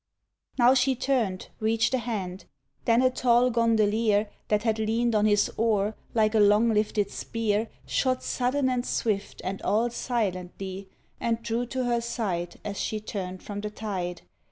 Now she turned, reached a hand; then a tall gondolier That had leaned on his oar, like a long lifted spear, Shot sudden and swift and all silently And drew to her side as she turned from the tide.